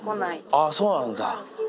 ああ、そうなんだ。